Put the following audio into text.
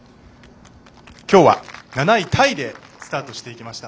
今日は７位タイでスタートしていきました。